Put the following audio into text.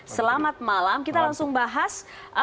selamat malam kita langsung bahas